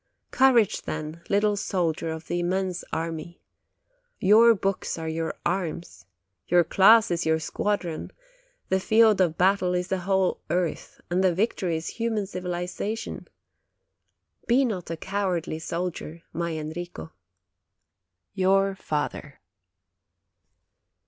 Courage, then, little soldier of the immense army! Your books are your arms, your class is your squad THE LITTLE PATRIOT OF PADUA 19 ron, the field of battle is the whole earth, and the victory is human civilization. Be not a cowardly soldier, my Enrico. YOUR FATHER.